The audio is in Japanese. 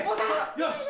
よし！